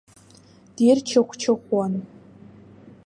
Дирчыхәчыхәуан.